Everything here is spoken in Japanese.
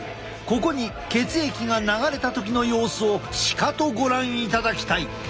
ここに血液が流れた時の様子をしかとご覧いただきたい。